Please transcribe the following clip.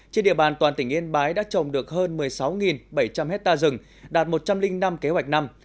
trên địa bàn toàn tỉnh yên bái đã trồng được hơn một mươi sáu bảy trăm linh hectare rừng đạt một trăm linh năm kế hoạch năm